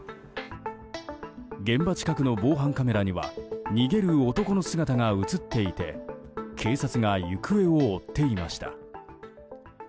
現場近くの防犯カメラには逃げる男の姿が映っていて警察が行方を追っていました。